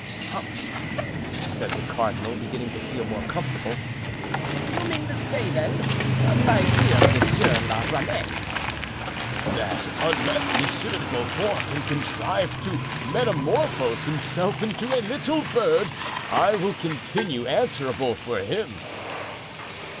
"Hum!" said the cardinal, beginning to feel more comfortable. "You mean to say, then, my dear Monsieur la Ramee——" "That unless Monsieur de Beaufort can contrive to metamorphose himself into a little bird, I will continue answerable for him."